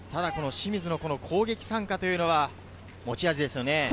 清水の攻撃参加というのは持ち味ですよね。